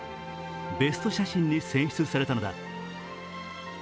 ベスト写真に選出されたのだ。